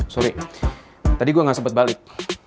sorry tadi gue gak sempat balik